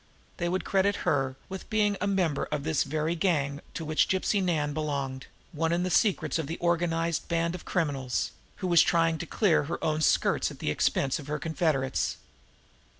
They would credit her with being a member of this very gang to which Gypsy Nan belonged, one in the secrets of an organized band of criminals, who was trying to clear her own skirts at the expense of her confederates.